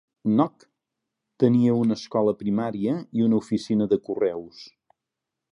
Knock tenia una escola primària i una oficina de correus.